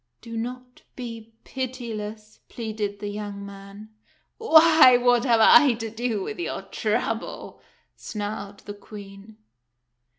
"Do not be pitiless," pleaded the young man. " Why, what have I to do with your trouble ?" snarled the Queen.